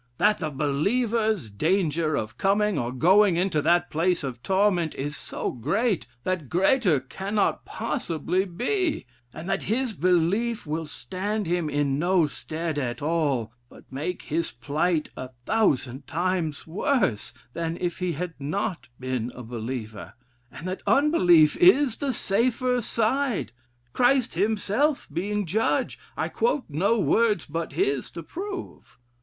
That the believer's danger of coming or going into that place of torment is so great, that greater cannot possibly be: and that his belief will stand him in no stead at all, but make his plight a thousand times worse than if he had not been a believer; and that unbelief is the safer side Christ himself being judge I quote no words but his to prove.